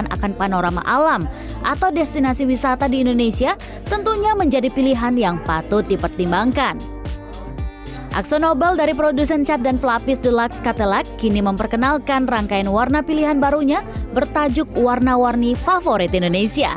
aksonobel dari produsen cap dan pelapis deluxe cattelak kini memperkenalkan rangkaian warna pilihan barunya bertajuk warna warni favorit indonesia